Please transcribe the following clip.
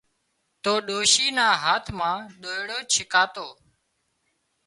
تو ڏوشي نا هاٿ مان ۮوئيڙُ ڇڪاتو